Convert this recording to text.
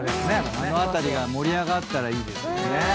あの辺りが盛り上がったらいいですよね。